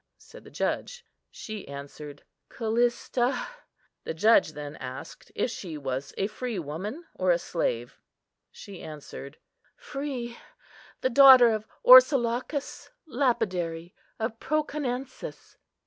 said the judge. She answered, "Callista." The judge then asked if she was a freewoman or a slave. She answered, "Free; the daughter of Orsilochus, lapidary, of Proconnesus."